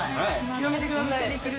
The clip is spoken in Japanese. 広めてください。